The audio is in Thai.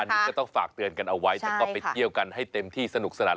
อันนี้ก็ต้องฝากเตือนกันเอาไว้แต่ก็ไปเที่ยวกันให้เต็มที่สนุกสนาน